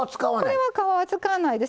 これは皮は使わないです。